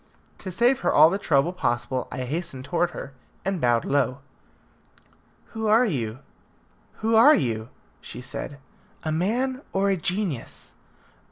To save her all the trouble possible, I hastened towards her, and bowed low. "Who are you? Who are you?" she said. "A man or a genius?"